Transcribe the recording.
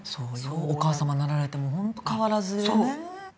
お母様になられてもホント変わらずでね。